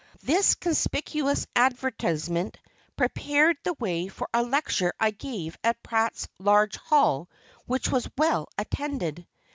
This conspicuous advertisement prepared the way for a lecture I gave in Pratt's large hall, which was well attended.